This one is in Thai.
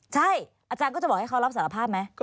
ใช่อาจารย์ก็จะบอกให้เขารับสารภาพไหม